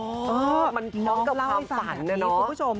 อ๋อมันพร้อมกับความฝันนะน้องก๊อตน้องก็เล่าให้ฟังแบบนี้คุณผู้ชม